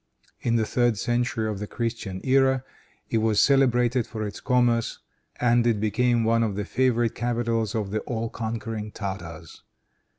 In the third century of the Christian era, it was celebrated for its commerce, and it became one of the favorite capitals of the all conquering Tartars.